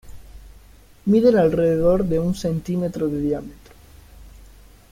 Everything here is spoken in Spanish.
Miden alrededor de un centímetro de diámetro.